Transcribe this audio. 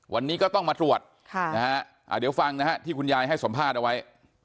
วันนี้ก็ต้องมาตรวจเดี๋ยวฟังนะฮะที่คุณยายให้สัมภาษณ์เอาไว้